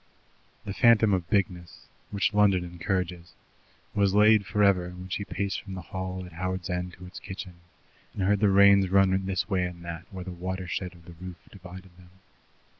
The phantom of bigness, which London encourages, was laid for ever when she paced from the hall at Howards End to its kitchen and heard the rains run this way and that where the watershed of the roof divided them.